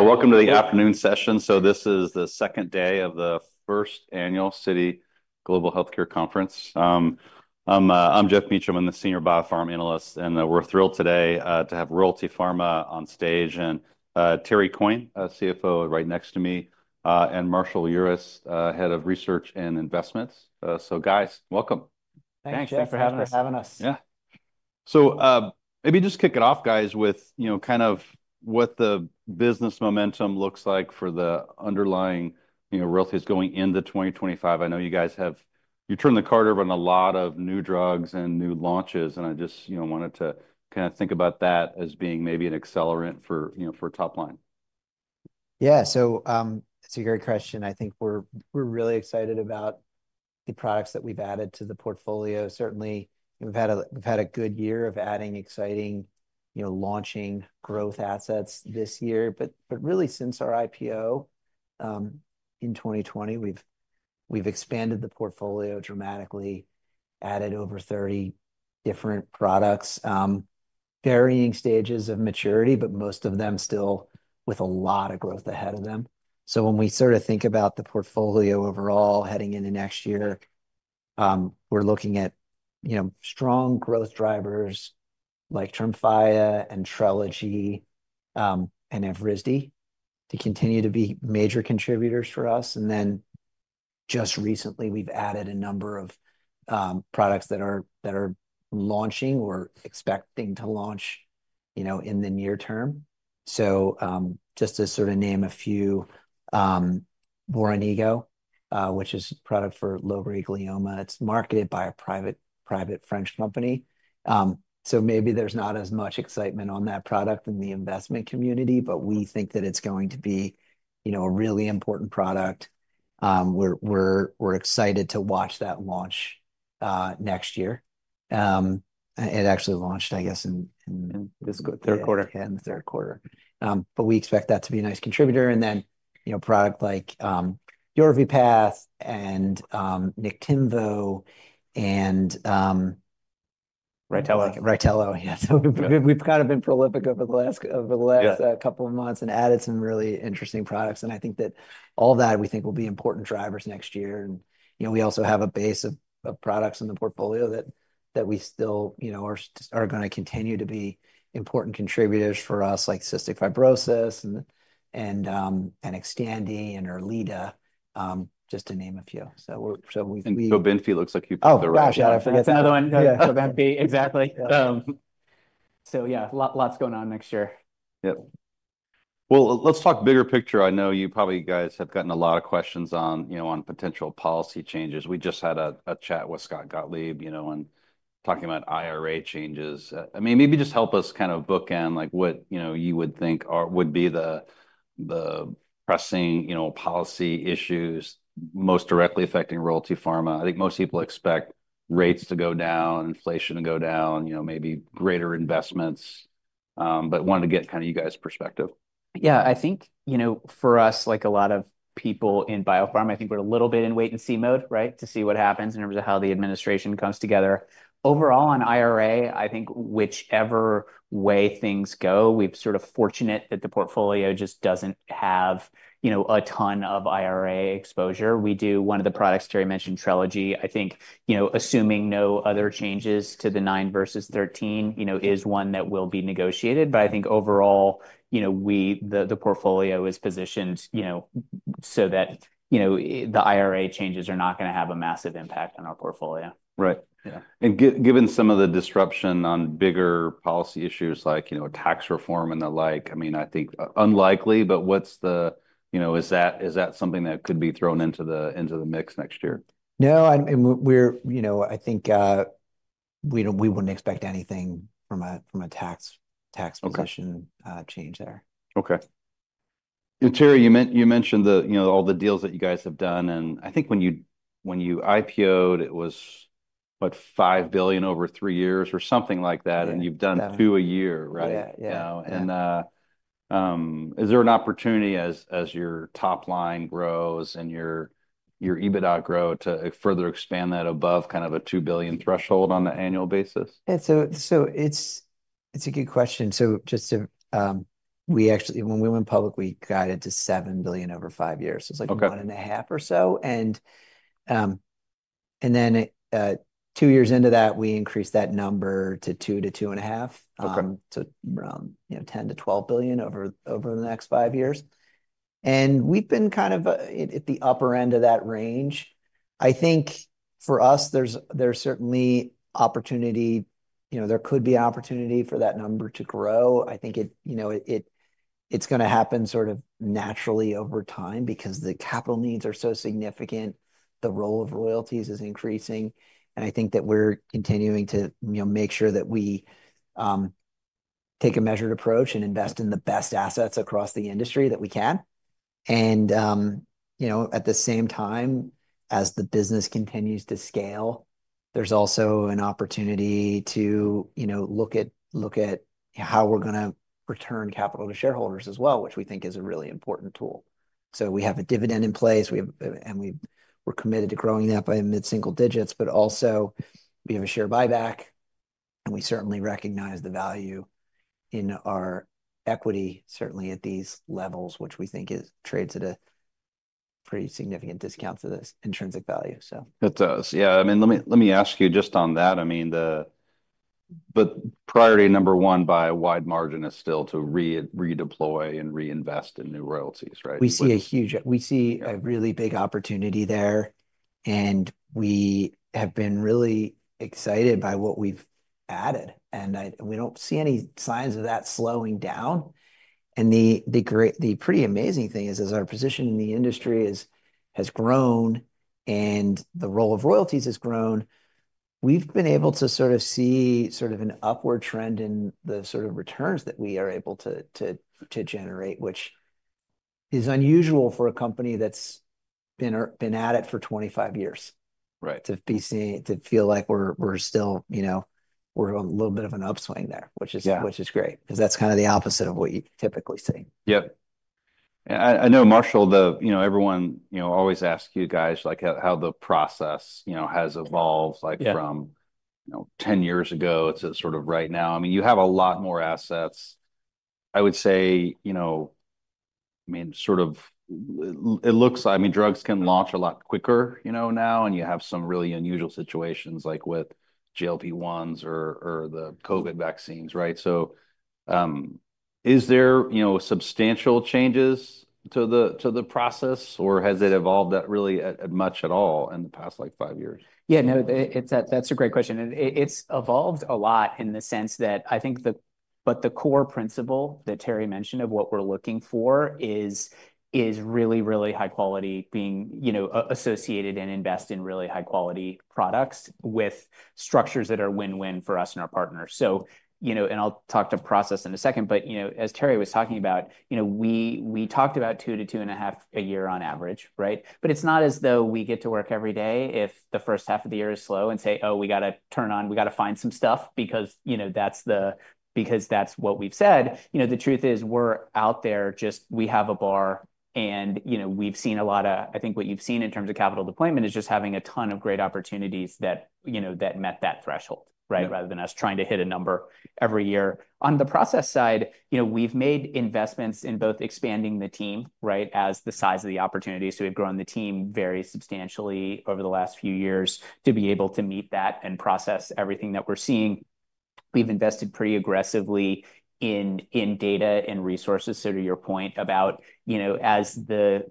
Welcome to the afternoon session. So this is the second day of the first annual Citi Global Healthcare Conference. I'm Geoff Meacham. I'm the Senior BioPharma Analyst, and we're thrilled today to have Royalty Pharma on stage and Terry Coyne, CFO, right next to me, and Marshall Urist, Head of Research and Investments. So, guys, welcome. Thanks for having us. Yeah. So maybe just kick it off, guys, with, you know, kind of what the business momentum looks like for the underlying, you know, royalties going into 2025. I know you guys have, you turn the card over on a lot of new drugs and new launches, and I just, you know, wanted to kind of think about that as being maybe an accelerant for, you know, for top line. Yeah, so it's a great question. I think we're really excited about the products that we've added to the portfolio. Certainly, we've had a good year of adding exciting, you know, launching growth assets this year, but really, since our IPO in 2020, we've expanded the portfolio dramatically, added over 30 different products, varying stages of maturity, but most of them still with a lot of growth ahead of them. So when we sort of think about the portfolio overall heading into next year, we're looking at, you know, strong growth drivers like Tremfya and Trelegy and Evrysdi to continue to be major contributors for us. And then just recently, we've added a number of products that are launching or expecting to launch, you know, in the near term. So just to sort of name a few: Voranigo, which is a product for low-grade glioma. It's marketed by a private French company. So maybe there's not as much excitement on that product in the investment community, but we think that it's going to be, you know, a really important product. We're excited to watch that launch next year. It actually launched, I guess, in. Third quarter. In the third quarter, but we expect that to be a nice contributor, and then, you know, product like Yorvipath and Niktimvo and. Rytelo. Rytelo. Yeah. So we've kind of been prolific over the last couple of months and added some really interesting products. And I think that all that we think will be important drivers next year. And, you know, we also have a base of products in the portfolio that we still, you know, are going to continue to be important contributors for us, like cystic fibrosis and Xtandi and Erleada, just to name a few. So we. So Cobenfy looks like you picked the right one. Oh, gosh, I forgot to mention that one. Yeah, so Cobenfy, exactly. So, yeah, lots going on next year. Yep. Well, let's talk bigger picture. I know you probably guys have gotten a lot of questions on, you know, on potential policy changes. We just had a chat with Scott Gottlieb, you know, and talking about IRA changes. I mean, maybe just help us kind of bookend, like, what, you know, you would think would be the pressing, you know, policy issues most directly affecting Royalty Pharma. I think most people expect rates to go down, inflation to go down, you know, maybe greater investments, but wanted to get kind of you guys' perspective. Yeah, I think, you know, for us, like a lot of people in biopharma, I think we're a little bit in wait-and-see mode, right, to see what happens in terms of how the administration comes together. Overall, on IRA, I think whichever way things go, we're sort of fortunate that the portfolio just doesn't have, you know, a ton of IRA exposure. We do one of the products Terry mentioned, Trelegy. I think, you know, assuming no other changes to the 9 versus 13, you know, is one that will be negotiated. But I think overall, you know, the portfolio is positioned, you know, so that, you know, the IRA changes are not going to have a massive impact on our portfolio. Right. And given some of the disruption on bigger policy issues like, you know, tax reform and the like, I mean, I think unlikely, but what's the, you know, is that something that could be thrown into the mix next year? No, and we're, you know, I think we wouldn't expect anything from a tax position change there. Okay. And Terry, you mentioned the, you know, all the deals that you guys have done. And I think when you IPOed, it was what, $5 billion over three years or something like that, and you've done two a year, right? Yeah, Is there an opportunity as your top line grows and your EBITDA grow to further expand that above kind of a $2 billion threshold on an annual basis? It's a good question. So just to, we actually, when we went public, we got it to $7 billion over five years. It was like one and a half or so. And then two years into that, we increased that number to $2-$2.5 billion. So, you know, $10-$12 billion over the next five years. And we've been kind of at the upper end of that range. I think for us, there's certainly opportunity. You know, there could be an opportunity for that number to grow. I think it, you know, it's going to happen sort of naturally over time because the capital needs are so significant. The role of royalties is increasing. And I think that we're continuing to, you know, make sure that we take a measured approach and invest in the best assets across the industry that we can. And, you know, at the same time as the business continues to scale, there's also an opportunity to, you know, look at how we're going to return capital to shareholders as well, which we think is a really important tool, so we have a dividend in place, and we're committed to growing that by mid-single digits, but also we have a share buyback, and we certainly recognize the value in our equity, certainly at these levels, which we think trades at a pretty significant discount to this intrinsic value, so. It does. Yeah. I mean, let me ask you just on that. I mean, the priority number one by a wide margin is still to redeploy and reinvest in new royalties, right? We see a really big opportunity there, and we have been really excited by what we've added. We don't see any signs of that slowing down. The pretty amazing thing is, as our position in the industry has grown and the role of royalties has grown, we've been able to sort of see sort of an upward trend in the sort of returns that we are able to generate, which is unusual for a company that's been at it for 25 years. Right. To feel like we're still, you know, we're on a little bit of an upswing there, which is great because that's kind of the opposite of what you typically see. Yep. I know, Marshall, the, you know, everyone, you know, always asks you guys like how the process, you know, has evolved like from, you know, 10 years ago to sort of right now. I mean, you have a lot more assets. I would say, you know, I mean, sort of it looks—I mean, drugs can launch a lot quicker, you know, now, and you have some really unusual situations like with GLP-1s or the COVID vaccines, right? So is there, you know, substantial changes to the process, or has it evolved that really much at all in the past like five years? Yeah, no, that's a great question. It's evolved a lot in the sense that I think, but the core principle that Terry mentioned of what we're looking for is really, really high quality, being, you know, associated and invest in really high quality products with structures that are win-win for us and our partners. So, you know, and I'll talk to process in a second, but, you know, as Terry was talking about, you know, we talked about two to two and a half a year on average, right? But it's not as though we get to work every day if the first half of the year is slow and say, "Oh, we got to turn on, we got to find some stuff because, you know, that's the, because that's what we've said." You know, the truth is we're out there just, we have a bar, and, you know, we've seen a lot of, I think what you've seen in terms of capital deployment is just having a ton of great opportunities that, you know, that met that threshold, right, rather than us trying to hit a number every year. On the process side, you know, we've made investments in both expanding the team, right, as the size of the opportunities. So we've grown the team very substantially over the last few years to be able to meet that and process everything that we're seeing. We've invested pretty aggressively in data and resources. So to your point about, you know, as the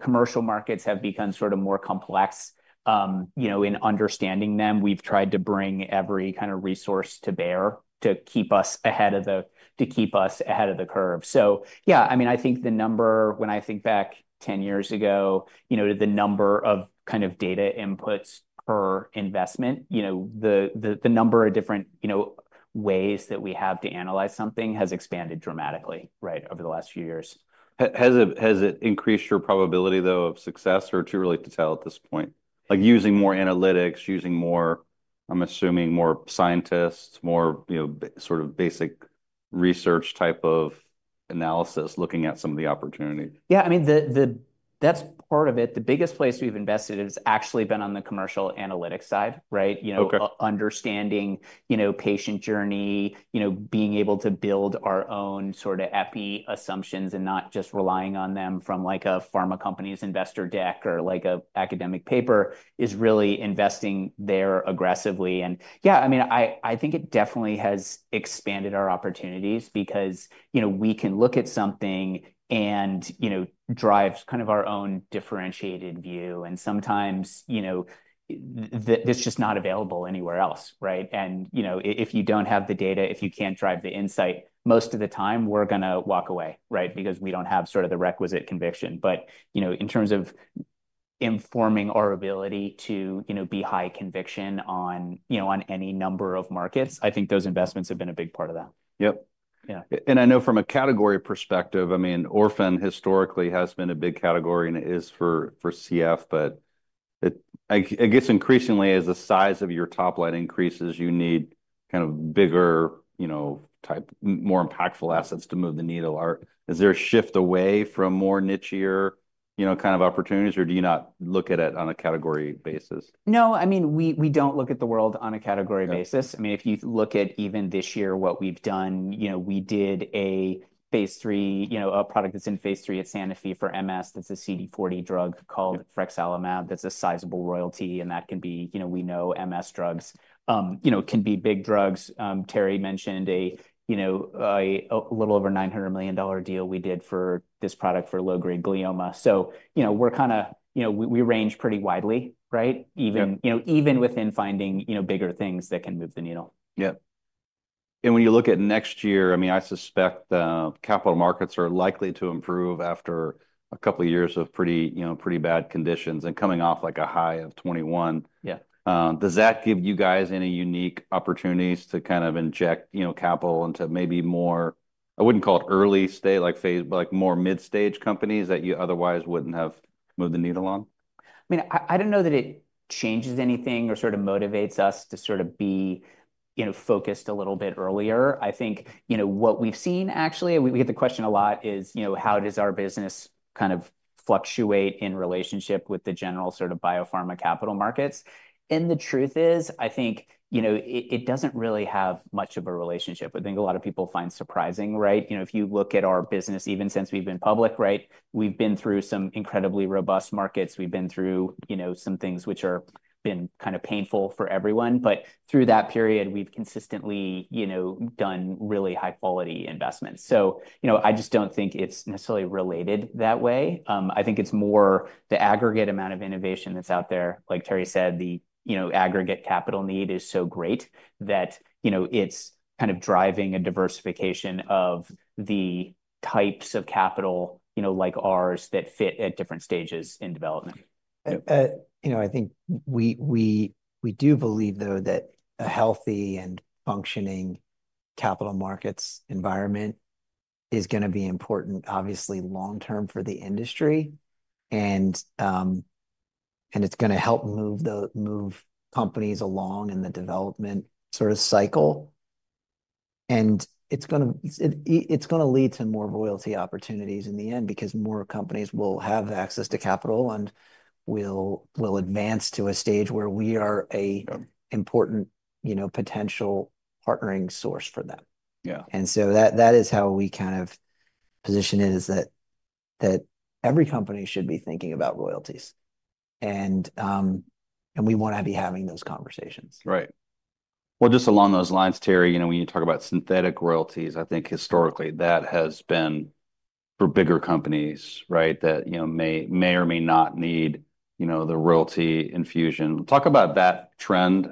commercial markets have become sort of more complex, you know, in understanding them, we've tried to bring every kind of resource to bear to keep us ahead of the curve. So, yeah, I mean, I think the number, when I think back 10 years ago, you know, to the number of kind of data inputs per investment, you know, the number of different, you know, ways that we have to analyze something has expanded dramatically, right, over the last few years. Has it increased your probability, though, of success or too early to tell at this point? Like using more analytics, using more, I'm assuming, more scientists, more, you know, sort of basic research type of analysis looking at some of the opportunity? Yeah, I mean, that's part of it. The biggest place we've invested has actually been on the commercial analytics side, right? You know, understanding, you know, patient journey, you know, being able to build our own sort of epi assumptions and not just relying on them from like a pharma company's investor deck or like an academic paper is really investing there aggressively. And yeah, I mean, I think it definitely has expanded our opportunities because, you know, we can look at something and, you know, drive kind of our own differentiated view. And sometimes, you know, that's just not available anywhere else, right? And, you know, if you don't have the data, if you can't drive the insight, most of the time we're going to walk away, right, because we don't have sort of the requisite conviction. But you know, in terms of informing our ability to, you know, be high conviction on, you know, on any number of markets, I think those investments have been a big part of that. Yeah, and I know from a category perspective, I mean, orphan historically has been a big category and it is for CF, but I guess increasingly as the size of your top line increases, you need kind of bigger, you know, type more impactful assets to move the needle. Is there a shift away from more nichier, you know, kind of opportunities, or do you not look at it on a category basis? No, I mean, we don't look at the world on a category basis. I mean, if you look at even this year, what we've done, you know, we did a phase 3, you know, a product that's in phase 3 at Sanofi for MS that's a CD40 drug called Frexalimab that's a sizable royalty. And that can be, you know, we know MS drugs, you know, can be big drugs. Terry mentioned a, you know, a little over $900 million deal we did for this product for low-grade glioma. So, you know, we're kind of, you know, we range pretty widely, right? Even, you know, even within finding, you know, bigger things that can move the needle. Yeah, and when you look at next year, I mean, I suspect capital markets are likely to improve after a couple of years of pretty, you know, pretty bad conditions and coming off like a high of 21. Yeah. Does that give you guys any unique opportunities to kind of inject, you know, capital into maybe more, I wouldn't call it early stage, like phase, but like more mid-stage companies that you otherwise wouldn't have moved the needle on? I mean, I don't know that it changes anything or sort of motivates us to sort of be, you know, focused a little bit earlier. I think, you know, what we've seen actually, we get the question a lot is, you know, how does our business kind of fluctuate in relationship with the general sort of biopharma capital markets? And the truth is, I think, you know, it doesn't really have much of a relationship. I think a lot of people find surprising, right? You know, if you look at our business, even since we've been public, right, we've been through some incredibly robust markets. We've been through, you know, some things which have been kind of painful for everyone. But through that period, we've consistently, you know, done really high-quality investments. So, you know, I just don't think it's necessarily related that way. I think it's more the aggregate amount of innovation that's out there. Like Terry said, the, you know, aggregate capital need is so great that, you know, it's kind of driving a diversification of the types of capital, you know, like ours that fit at different stages in development. You know, I think we do believe, though, that a healthy and functioning capital markets environment is going to be important, obviously, long-term for the industry. And it's going to help move companies along in the development sort of cycle. And it's going to lead to more royalty opportunities in the end because more companies will have access to capital and will advance to a stage where we are an important, you know, potential partnering source for them. Yeah. That is how we kind of position it: that every company should be thinking about royalties. We want to be having those conversations. Right. Well, just along those lines, Terry, you know, when you talk about synthetic royalties, I think historically that has been for bigger companies, right, that, you know, may or may not need, you know, the royalty infusion. Talk about that trend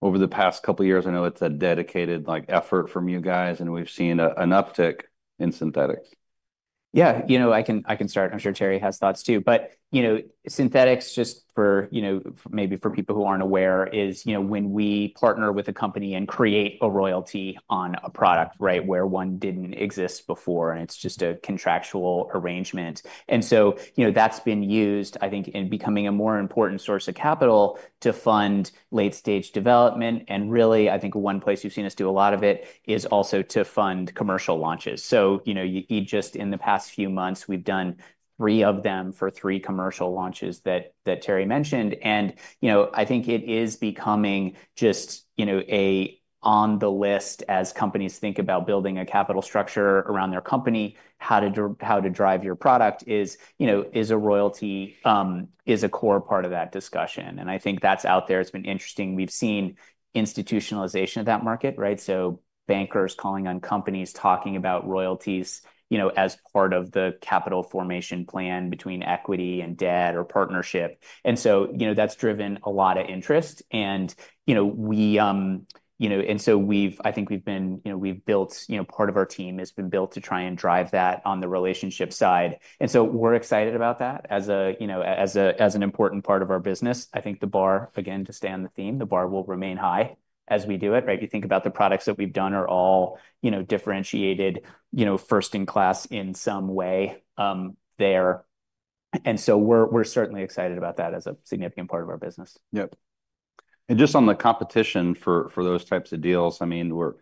over the past couple of years. I know it's a dedicated effort from you guys, and we've seen an uptick in synthetics. Yeah, you know, I can start. I'm sure Terry has thoughts too. But, you know, synthetics just for, you know, maybe for people who aren't aware is, you know, when we partner with a company and create a royalty on a product, right, where one didn't exist before, and it's just a contractual arrangement. And so, you know, that's been used, I think, in becoming a more important source of capital to fund late-stage development. And really, I think one place we've seen us do a lot of it is also to fund commercial launches. So, you know, just in the past few months, we've done three of them for three commercial launches that Terry mentioned. And, you know, I think it is becoming just, you know, on the list as companies think about building a capital structure around their company. How to drive your product is, you know, is a royalty, is a core part of that discussion. And I think that's out there. It's been interesting. We've seen institutionalization of that market, right? So bankers calling on companies talking about royalties, you know, as part of the capital formation plan between equity and debt or partnership. And so, you know, that's driven a lot of interest. And, you know, we, you know, and so we've, I think we've been, you know, we've built, you know, part of our team has been built to try and drive that on the relationship side. And so we're excited about that as a, you know, as an important part of our business. I think the bar, again, to stay on the theme, the bar will remain high as we do it, right? If you think about the products that we've done are all, you know, differentiated, you know, first in class in some way there, and so we're certainly excited about that as a significant part of our business. Yep. And just on the competition for those types of deals, I mean, we're,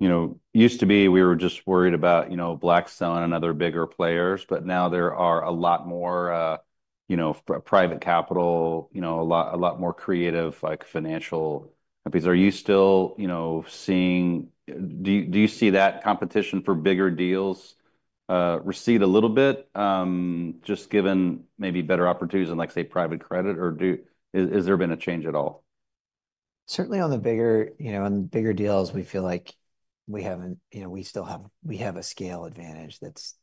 you know, used to be we were just worried about, you know, Blackstone and other bigger players, but now there are a lot more, you know, private capital, you know, a lot more creative like financial companies. Are you still, you know, seeing, do you see that competition for bigger deals recede a little bit just given maybe better opportunities in like, say, private credit, or has there been a change at all? Certainly on the bigger, you know, on the bigger deals, we feel like we haven't, you know, we still have, we have a scale advantage that's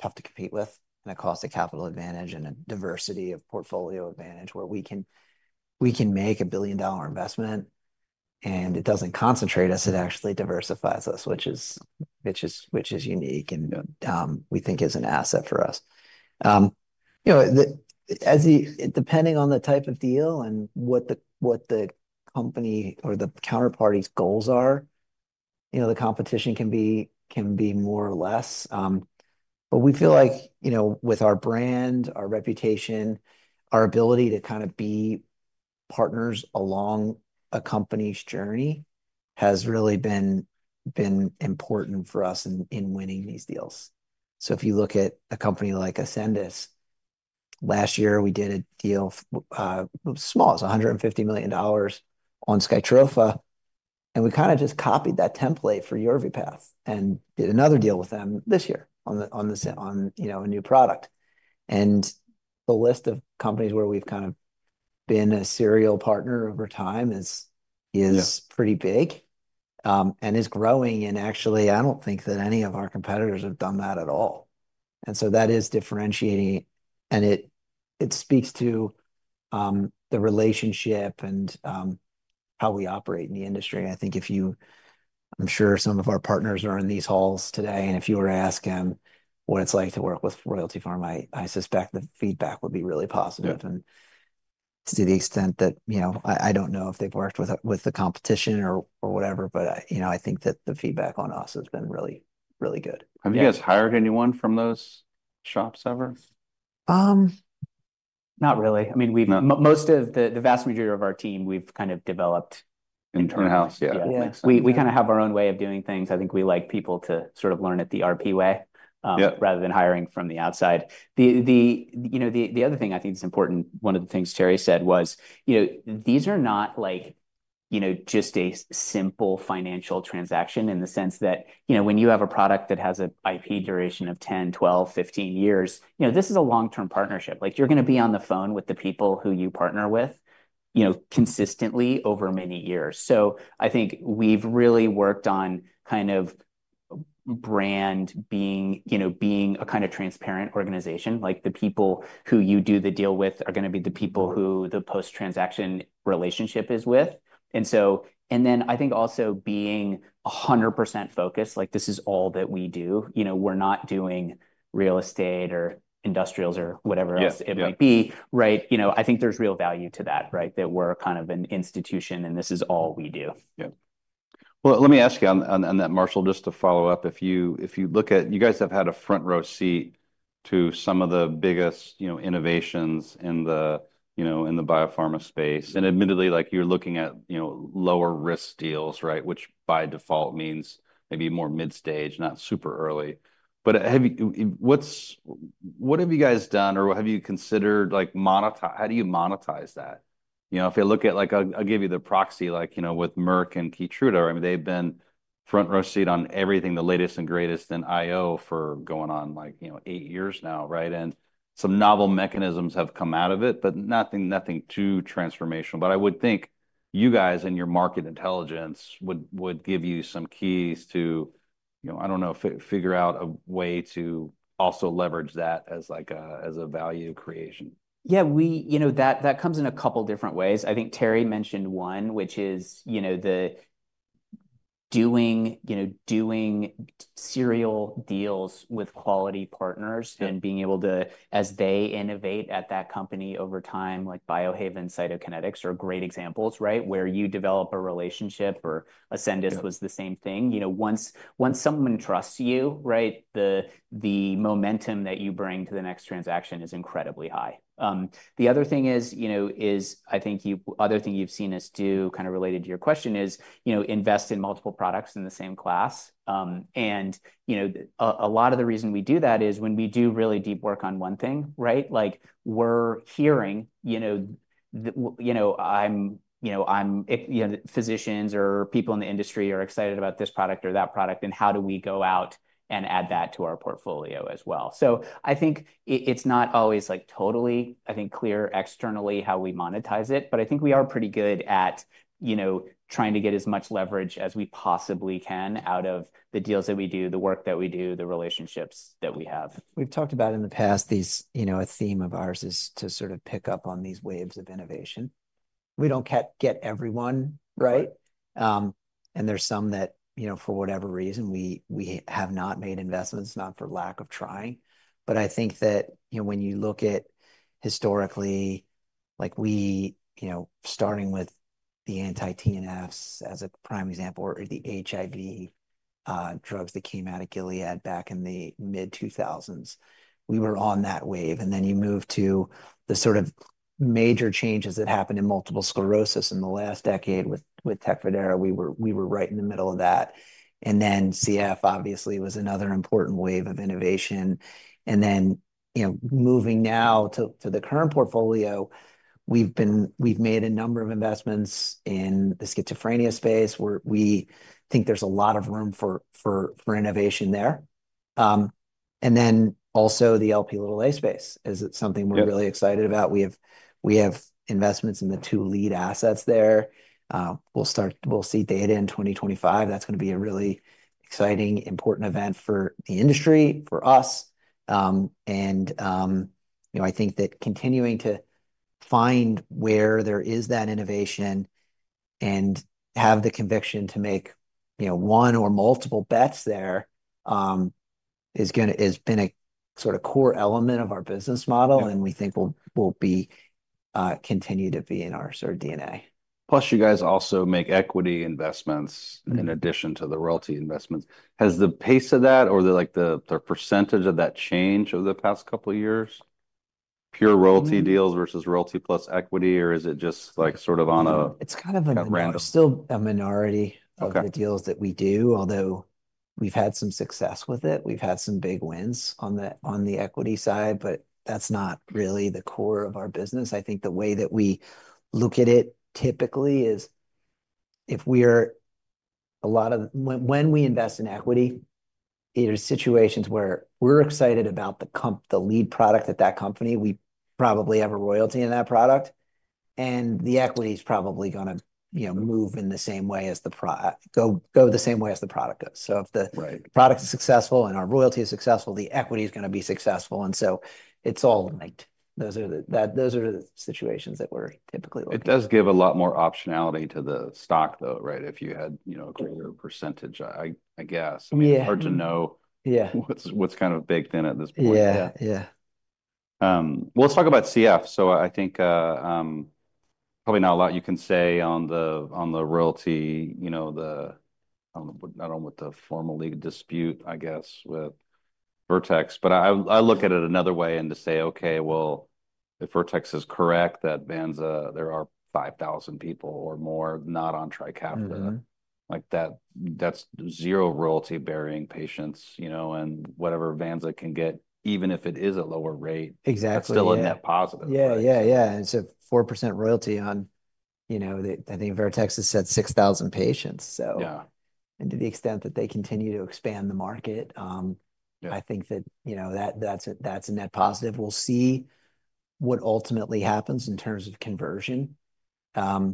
tough to compete with and a cost of capital advantage and a diversity of portfolio advantage where we can make a billion-dollar investment and it doesn't concentrate us, it actually diversifies us, which is unique and we think is an asset for us. You know, depending on the type of deal and what the company or the counterparty's goals are, you know, the competition can be more or less. But we feel like, you know, with our brand, our reputation, our ability to kind of be partners along a company's journey has really been important for us in winning these deals. If you look at a company like Ascendis, last year we did a deal as small as $150 million on Skytrofa, and we kind of just copied that template for Yorvipath and did another deal with them this year on, you know, a new product. The list of companies where we've kind of been a serial partner over time is pretty big and is growing. Actually, I don't think that any of our competitors have done that at all. So that is differentiating, and it speaks to the relationship and how we operate in the industry. I think, if you, I'm sure some of our partners are in these halls today, and if you were to ask them what it's like to work with Royalty Pharma, I suspect the feedback would be really positive. To the extent that, you know, I don't know if they've worked with the competition or whatever, but, you know, I think that the feedback on us has been really, really good. Have you guys hired anyone from those shops ever? Not really. I mean, most of the vast majority of our team, we've kind of developed. Internal house, Yeah. We kind of have our own way of doing things. I think we like people to sort of learn at the RP way rather than hiring from the outside. You know, the other thing I think is important, one of the things Terry said was, you know, these are not like, you know, just a simple financial transaction in the sense that, you know, when you have a product that has an IP duration of 10, 12, 15 years, you know, this is a long-term partnership. Like you're going to be on the phone with the people who you partner with, you know, consistently over many years. So I think we've really worked on kind of brand being, you know, being a kind of transparent organization. Like the people who you do the deal with are going to be the people who the post-transaction relationship is with. I think also being 100% focused, like this is all that we do. You know, we're not doing real estate or industrials or whatever else it might be, right? You know, I think there's real value to that, right? That we're kind of an institution and this is all we do. Yeah. Well, let me ask you on that, Marshall, just to follow up. If you look at, you guys have had a front row seat to some of the biggest, you know, innovations in the, you know, in the biopharma space. And admittedly, like you're looking at, you know, lower risk deals, right? Which by default means maybe more mid-stage, not super early. But what have you guys done or what have you considered like monetizing? How do you monetize that? You know, if you look at like, I'll give you the proxy, like, you know, with Merck and Keytruda, I mean, they've been front row seat on everything, the latest and greatest in IO for going on like, you know, eight years now, right? And some novel mechanisms have come out of it, but nothing too transformational. But I would think you guys and your market intelligence would give you some keys to, you know, I don't know, figure out a way to also leverage that as like a value creation. Yeah, we, you know, that comes in a couple different ways. I think Terry mentioned one, which is, you know, doing, you know, doing serial deals with quality partners and being able to, as they innovate at that company over time, like Biohaven, Cytokinetics are great examples, right? Where you develop a relationship or Ascendis was the same thing. You know, once someone trusts you, right, the momentum that you bring to the next transaction is incredibly high. The other thing is, you know, is I think the other thing you've seen us do kind of related to your question is, you know, invest in multiple products in the same class. And, you know, a lot of the reason we do that is when we do really deep work on one thing, right? Like we're hearing, you know, physicians or people in the industry are excited about this product or that product and how do we go out and add that to our portfolio as well. So I think it's not always like totally, I think, clear externally how we monetize it, but I think we are pretty good at, you know, trying to get as much leverage as we possibly can out of the deals that we do, the work that we do, the relationships that we have. We've talked about in the past these, you know, a theme of ours is to sort of pick up on these waves of innovation. We don't get everyone, right? And there's some that, you know, for whatever reason, we have not made investments, not for lack of trying. But I think that, you know, when you look at historically, like we, you know, starting with the anti-TNFs as a prime example or the HIV drugs that came out of Gilead back in the mid-2000s, we were on that wave. And then you move to the sort of major changes that happened in multiple sclerosis in the last decade with Tecfidera. We were right in the middle of that. And then CF obviously was another important wave of innovation. And then, you know, moving now to the current portfolio, we've made a number of investments in the schizophrenia space where we think there's a lot of room for innovation there. And then also the Lp(a) space is something we're really excited about. We have investments in the two lead assets there. We'll see data in 2025. That's going to be a really exciting, important event for the industry, for us, and, you know, I think that continuing to find where there is that innovation and have the conviction to make, you know, one or multiple bets there has been a sort of core element of our business model and we think will continue to be in our sort of DNA. Plus you guys also make equity investments in addition to the royalty investments. Has the pace of that or like the percentage of that change over the past couple of years? Pure royalty deals versus royalty plus equity or is it just like sort of on a random? It's kind of still a minority of the deals that we do, although we've had some success with it. We've had some big wins on the equity side, but that's not really the core of our business. I think the way that we look at it typically is if we invest in equity, there are situations where we're excited about the lead product at that company. We probably have a royalty in that product and the equity is probably going to, you know, move in the same way as the product goes. So if the product is successful and our royalty is successful, the equity is going to be successful. So it's all linked. Those are the situations that we're typically looking at. It does give a lot more optionality to the stock though, right? If you had, you know, a greater percentage, I guess. It's hard to know what's kind of baked in at this point. Yeah, yeah. Let's talk about CF. I think probably not a lot you can say on the royalty, you know. I don't know what the formal legal dispute, I guess, with Vertex, but I look at it another way and to say, okay, well, if Vertex is correct that Vanza, there are 5,000 people or more not on Trikafta, like that's zero royalty-bearing patients, you know, and whatever Vanza can get, even if it is a lower rate, that's still a net positive. Yeah, yeah, yeah. And so 4% royalty on, you know, I think Vertex has said 6,000 patients. So yeah, and to the extent that they continue to expand the market, I think that, you know, that's a net positive. We'll see what ultimately happens in terms of conversion. I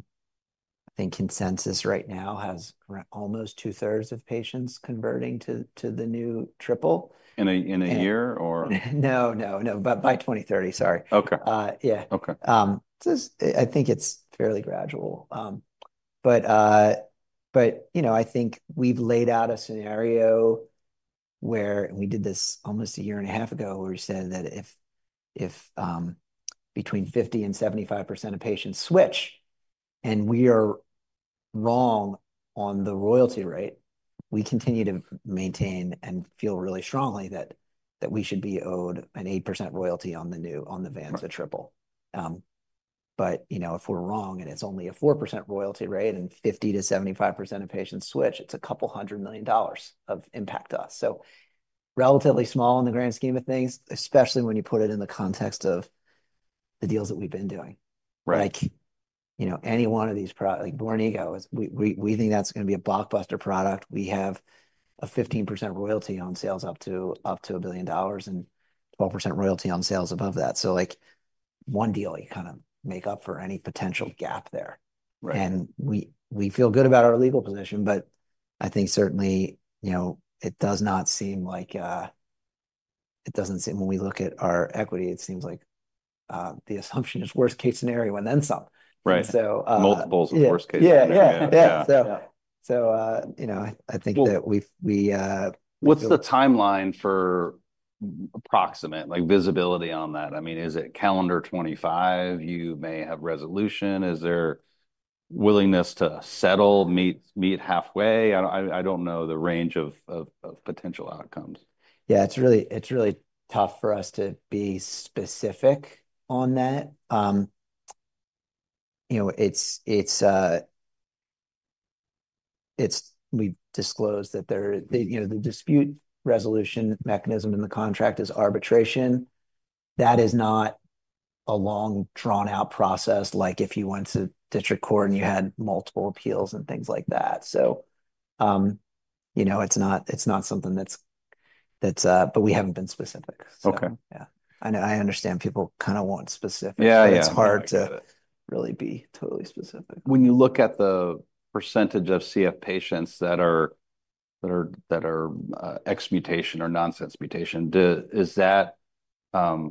think consensus right now has almost two-thirds of patients converting to the new triple. In a year or? No, no, no, but by 2030. Sorry. Okay. Yeah. I think it's fairly gradual. But, you know, I think we've laid out a scenario where we did this almost a year and a half ago where we said that if between 50% and 75% of patients switch and we are wrong on the royalty rate, we continue to maintain and feel really strongly that we should be owed an 8% royalty on the new, on the Vanza triple. But, you know, if we're wrong and it's only a 4% royalty rate and 50%-75% of patients switch, it's $200 million of impact to us. So relatively small in the grand scheme of things, especially when you put it in the context of the deals that we've been doing. Like, you know, any one of these products, like Voranigo, we think that's going to be a blockbuster product. We have a 15% royalty on sales up to $1 billion and 12% royalty on sales above that. So like one deal you kind of make up for any potential gap there. And we feel good about our legal position, but I think certainly, you know, it does not seem like when we look at our equity, it seems like the assumption is worst case scenario and then some. Right. Multiples of worst case. Yeah, yeah, yeah. So, you know, I think that we. What's the timeline for approximate, like visibility on that? I mean, is it calendar 2025? You may have resolution. Is there willingness to settle, meet halfway? I don't know the range of potential outcomes. Yeah, it's really tough for us to be specific on that. You know, we've disclosed that the dispute resolution mechanism in the contract is arbitration. That is not a long drawn-out process like if you went to district court and you had multiple appeals and things like that. So, you know, it's not something that's, but we haven't been specific. Okay. Yeah. I understand people kind of want specifics. It's hard to really be totally specific. When you look at the percentage of CF patients that are exon mutation or nonsense mutation, is that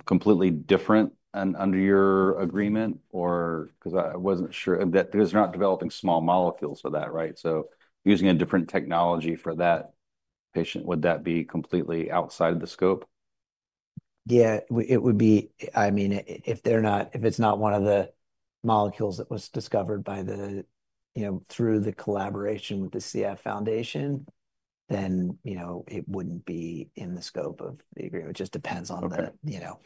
completely different under your agreement or because I wasn't sure that because you're not developing small molecules for that, right? So using a different technology for that patient, would that be completely outside of the scope? Yeah, it would be. I mean, if they're not, if it's not one of the molecules that was discovered by the, you know, through the collaboration with the CF Foundation, then, you know, it wouldn't be in the scope of the agreement. It just depends on the, you know,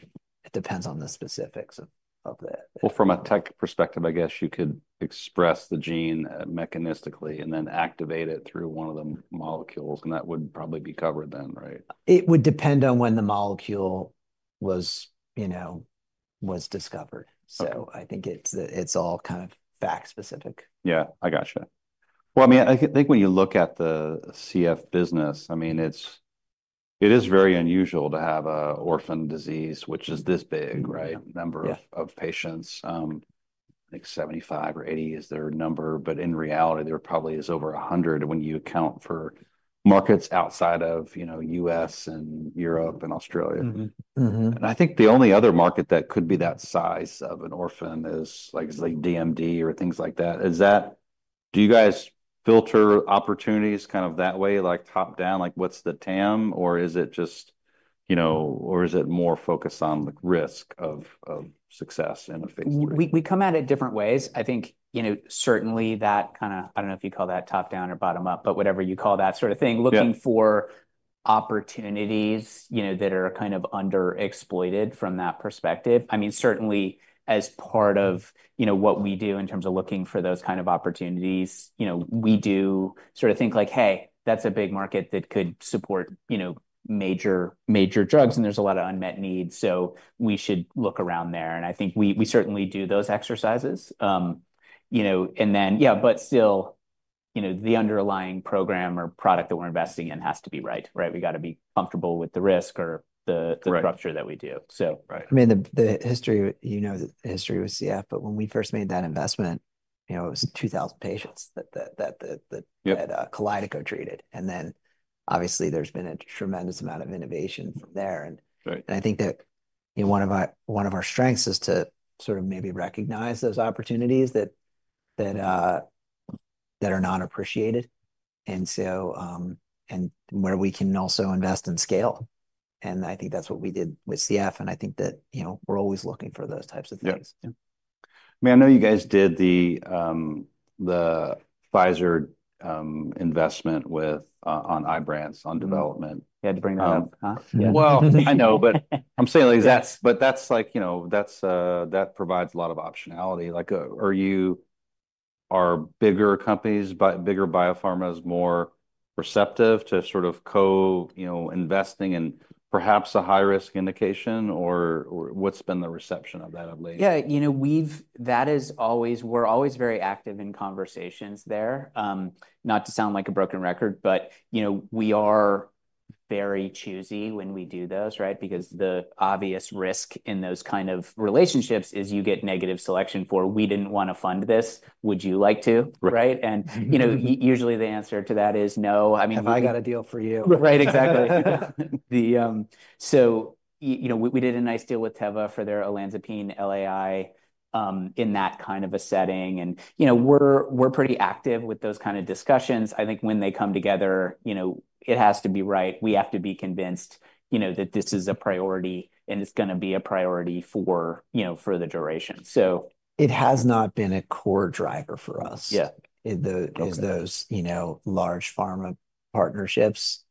it depends on the specifics of that. From a tech perspective, I guess you could express the gene mechanistically and then activate it through one of the molecules and that would probably be covered then, right? It would depend on when the molecule was, you know, was discovered. So I think it's all kind of fact-specific. Yeah, I gotcha. Well, I mean, I think when you look at the CF business, I mean, it is very unusual to have an orphan disease, which is this big, right? Number of patients, like 75 or 80 is their number, but in reality, there probably is over a hundred when you account for markets outside of, you know, U.S. and Europe and Australia. And I think the only other market that could be that size of an orphan is like DMD or things like that. Do you guys filter opportunities kind of that way, like top down, like what's the TAM or is it just, you know, or is it more focused on the risk of success in a Phase III? We come at it different ways. I think, you know, certainly that kind of, I don't know if you call that top down or bottom up, but whatever you call that sort of thing, looking for opportunities, you know, that are kind of underexploited from that perspective. I mean, certainly as part of, you know, what we do in terms of looking for those kind of opportunities, you know, we do sort of think like, hey, that's a big market that could support, you know, major drugs and there's a lot of unmet needs. So we should look around there, and I think we certainly do those exercises, you know, and then, yeah, but still, you know, the underlying program or product that we're investing in has to be right, right? We got to be comfortable with the risk or the return that we do. So. I mean, the history, you know, the history with CF, but when we first made that investment, you know, it was 2,000 patients that had Kalydeco treated. And then obviously there's been a tremendous amount of innovation from there. And I think that, you know, one of our strengths is to sort of maybe recognize those opportunities that are not appreciated. And so, and where we can also invest and scale. And I think that's what we did with CF. And I think that, you know, we're always looking for those types of things. Yeah. I mean, I know you guys did the Pfizer investment in Ibrance in development. You had to bring that up. I know, but I'm saying like that's. But that's like, you know, that provides a lot of optionality. Like, are bigger companies, but bigger biopharma is more receptive to sort of co-investing and perhaps a high-risk indication, or what's been the reception of that of late? Yeah, you know, we're always very active in conversations there. Not to sound like a broken record, but, you know, we are very choosy when we do those, right? Because the obvious risk in those kind of relationships is you get negative selection for, we didn't want to fund this. Would you like to? Right? And, you know, usually the answer to that is no. I mean. Have I got a deal for you? Right, exactly. So you know, we did a nice deal with Teva for their Olanzapine LAI in that kind of a setting. And, you know, we're pretty active with those kind of discussions. I think when they come together, you know, it has to be right. We have to be convinced, you know, that this is a priority and it's going to be a priority for, you know, for the duration. So. It has not been a core driver for us. Yeah. As those, you know, large pharma partnerships,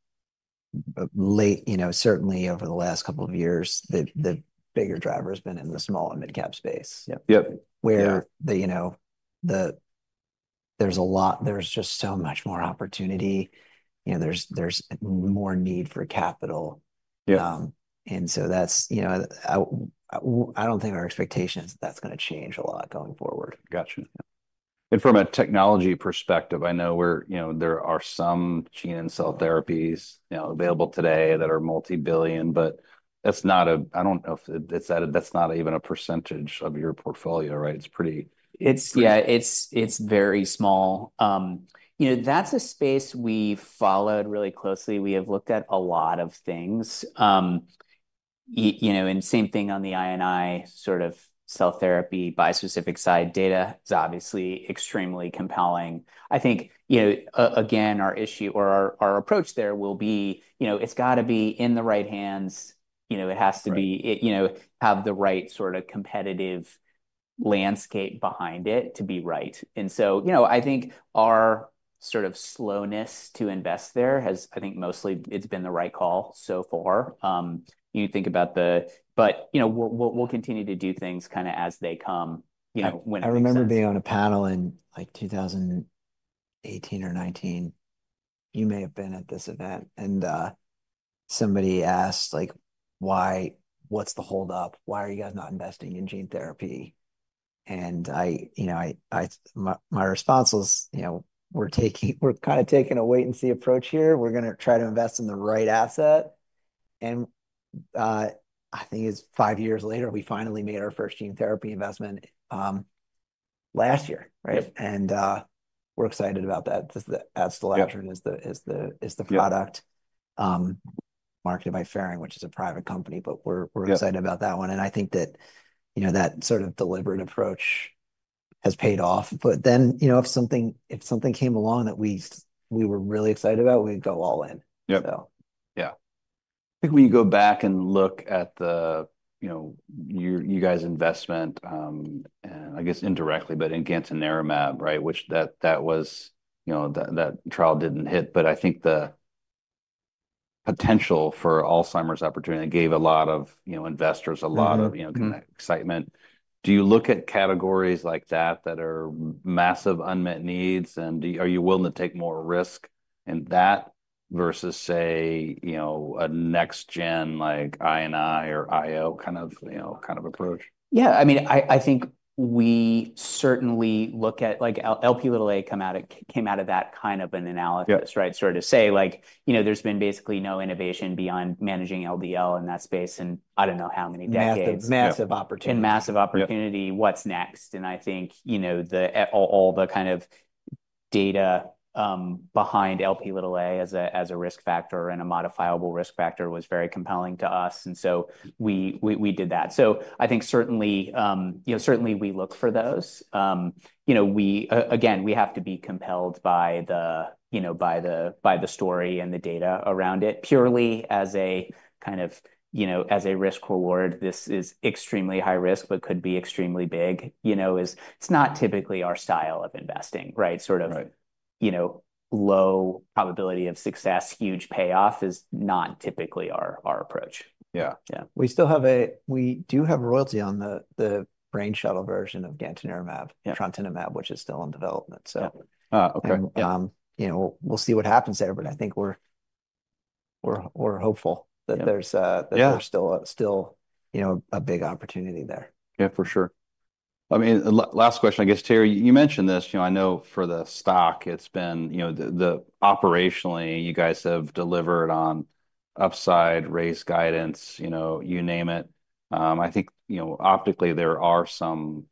lately, you know, certainly over the last couple of years, the bigger driver has been in the small and mid-cap space. Yep. You know, there's a lot, there's just so much more opportunity. You know, there's more need for capital. And so that's, you know, I don't think our expectation is that that's going to change a lot going forward. Gotcha. And from a technology perspective, I know we're, you know, there are some gene and cell therapies, you know, available today that are multi-billion, but that's not a, I don't know if it's that, that's not even a percentage of your portfolio, right? It's pretty. It's, yeah, it's very small. You know, that's a space we followed really closely. We have looked at a lot of things. You know, and same thing on the any sort of cell therapy bispecifics side data is obviously extremely compelling. I think, you know, again, our issue or our approach there will be, you know, it's got to be in the right hands. You know, it has to be, you know, have the right sort of competitive landscape behind it to be right. And so, you know, I think our sort of slowness to invest there has, I think mostly it's been the right call so far. You think about the, but, you know, we'll continue to do things kind of as they come, you know, when. I remember being on a panel in like 2018 or 2019. You may have been at this event, and somebody asked like, why, what's the holdup? Why are you guys not investing in gene therapy? And I, you know, my response was, you know, we're taking, we're kind of taking a wait and see approach here. We're going to try to invest in the right asset. And I think it's five years later. We finally made our first gene therapy investment last year, right? And we're excited about that. That's the last one is the product marketed by Ferring, which is a private company, but we're excited about that one. And I think that, you know, that sort of deliberate approach has paid off. But then, you know, if something came along that we were really excited about, we'd go all in. Yep. Yeah. I think when you go back and look at the, you know, you guys' investment, and I guess indirectly, but in gantenerumab, right, which that was, you know, that trial didn't hit, but I think the potential for Alzheimer's opportunity gave a lot of, you know, investors a lot of, you know, excitement. Do you look at categories like that that are massive unmet needs and are you willing to take more risk in that versus say, you know, a next-gen like I&I or IO kind of, you know, kind of approach? Yeah. I mean, I think we certainly look at like LP(a)came out of that kind of an analysis, right? Sort of say like, you know, there's been basically no innovation beyond managing LDL in that space in I don't know how many decades. Massive opportunity. And massive opportunity, what's next? And I think, you know, all the kind of data behind LP(a)as a risk factor and a modifiable risk factor was very compelling to us. And so we did that. So I think certainly, you know, certainly we look for those. You know, we, again, we have to be compelled by the, you know, by the story and the data around it purely as a kind of, you know, as a risk-reward. This is extremely high risk, but could be extremely big, you know. It's not typically our style of investing, right? Sort of, you know, low probability of success, huge payoff is not typically our approach. Yeah. We still have, we do have royalty on the Brain Shuttle version of Gantenerumab, Trontinemab, which is still in development. So. You know, we'll see what happens there, but I think we're hopeful that there's still, you know, a big opportunity there. Yeah, for sure. I mean, last question, I guess, Terry, you mentioned this, you know, I know for the stock, it's been, you know, operationally you guys have delivered on upside raised guidance, you know, you name it. I think, you know, optically there are some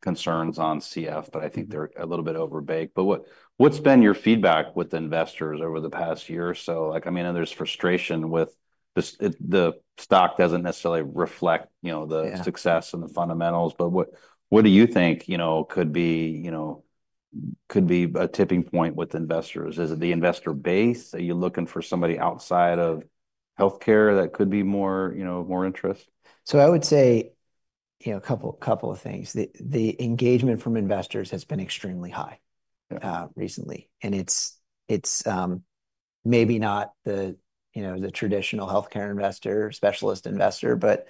concerns on CF, but I think they're a little bit overbaked. But what's been your feedback with investors over the past year or so? Like, I mean, there's frustration with the stock doesn't necessarily reflect, you know, the success and the fundamentals, but what do you think, you know, could be, you know, could be a tipping point with investors? Is it the investor base? Are you looking for somebody outside of healthcare that could be more, you know, more interest? So I would say, you know, a couple of things. The engagement from investors has been extremely high recently. And it's maybe not the, you know, the traditional healthcare investor, specialist investor, but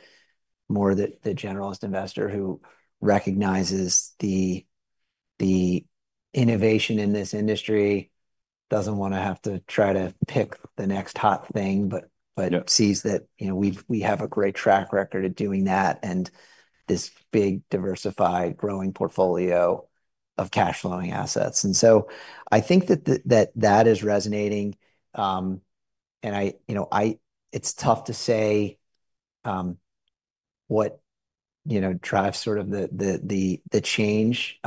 more the generalist investor who recognizes the innovation in this industry, doesn't want to have to try to pick the next hot thing, but sees that, you know, we have a great track record of doing that and this big diversified growing portfolio of cash flowing assets. And so I think that that is resonating. And I, you know, it's tough to say what, you know, drives sort of the change.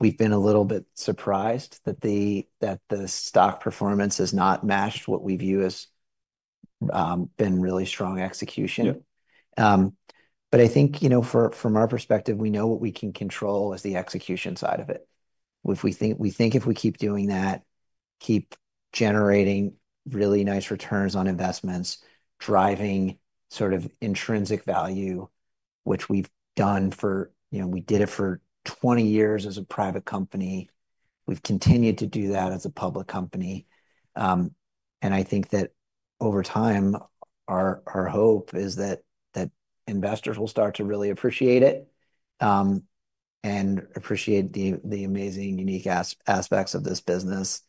We've been a little bit surprised that the stock performance has not matched what we view as been really strong execution. But I think, you know, from our perspective, we know what we can control is the execution side of it. If we keep doing that, keep generating really nice returns on investments, driving sort of intrinsic value, which we've done for, you know, we did it for 20 years as a private company. We've continued to do that as a public company. And I think that over time, our hope is that investors will start to really appreciate it and appreciate the amazing unique aspects of this business.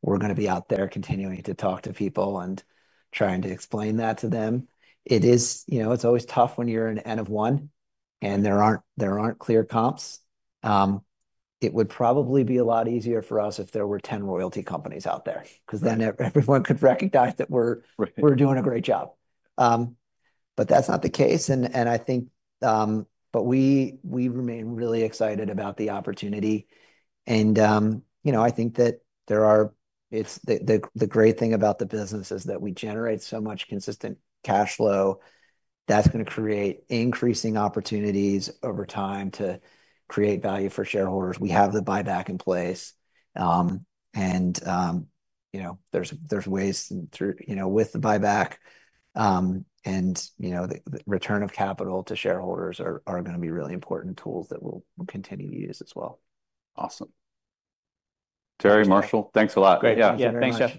We're going to be out there continuing to talk to people and trying to explain that to them. It is, you know, it's always tough when you're an N of one and there aren't clear comps. It would probably be a lot easier for us if there were 10 royalty companies out there because then everyone could recognize that we're doing a great job. But that's not the case. And I think, but we remain really excited about the opportunity. And, you know, I think that there are. It's the great thing about the business is that we generate so much consistent cash flow. That's going to create increasing opportunities over time to create value for shareholders. We have the buyback in place. And, you know, there's ways through, you know, with the buyback and, you know, the return of capital to shareholders are going to be really important tools that we'll continue to use as well. Awesome. Terry, Marshall, thanks a lot. Great. Yeah. Yeah. Thanks.